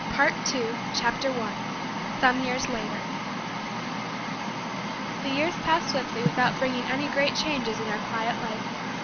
PART TWO CHAPTER ONE SOME YEARS LATER The years passed swiftly without bringing any great changes in our quiet life.